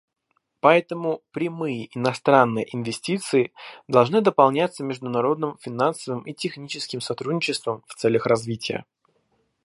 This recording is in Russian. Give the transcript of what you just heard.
Поэтому прямые иностранные инвестиции должны дополняться международным финансовым и техническим сотрудничеством в целях развития.